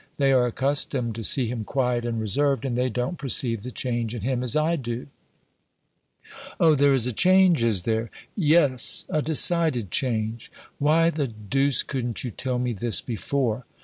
They are accustomed to see him quiet and reserved, and they don't perceive the change in him as I do." "O, there is a change, is there?" "Yes, a decided change." "Why the deuce couldn't you tell me this before!"